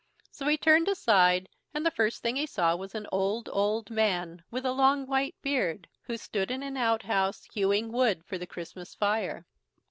So he turned aside, and the first thing he saw was an old, old man, with a long white beard, who stood in an outhouse, hewing wood for the Christmas fire.